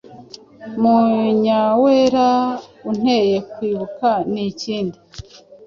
Munyawera: Unteye kwibuka n’ikindi.